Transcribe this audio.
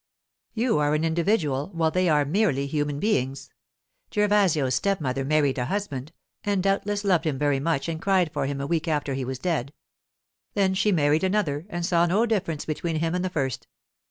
You are an individual, while they are merely human beings. Gervasio's stepmother married a husband, and doubtless loved him very much and cried for him a week after he was dead. Then she married another, and saw no difference between him and the first.